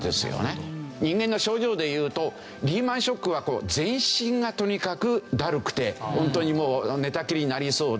人間の症状でいうとリーマンショックはこう全身がとにかくだるくて本当にもう寝たきりになりそうだ。